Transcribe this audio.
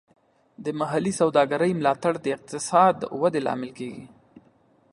د محلي سوداګرۍ ملاتړ د اقتصادي ودې لامل کیږي.